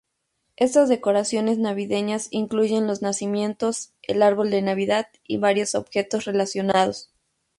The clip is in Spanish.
Estas decoraciones navideñas incluyen los Nacimientos, el árbol de Navidad y varios objetos relacionados.